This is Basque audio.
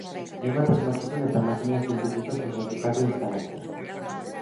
Hainbat asmakizun eta makina zientifikoz osatutako instalazioa.